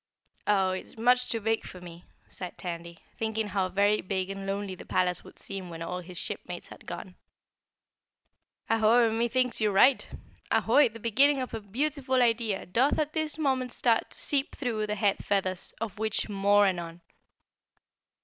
"Oh, it's much too big for me," sighed Tandy, thinking how very big and lonely the palace would seem when all his shipmates had gone. "Aho, and methinks you are right! Ahoy, the beginning of a beautiful idea doth at this moment start to seep through the head feathers, of which, more anon!"